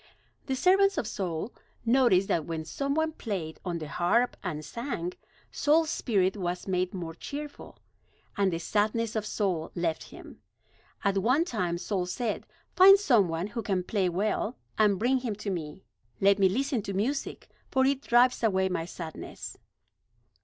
The servants of Saul noticed that when some one played on the harp and sang, Saul's spirit was made more cheerful; and the sadness of soul left him. At one time Saul said: "Find some one who can play well, and bring him to me. Let me listen to music; for it drives away my sadness."